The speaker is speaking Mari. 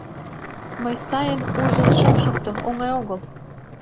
Мый сайын ужын шым шукто, оҥай огыл.